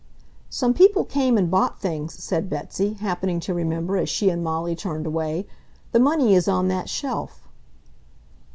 "Some people came and bought things," said Betsy, happening to remember as she and Molly turned away. "The money is on that shelf."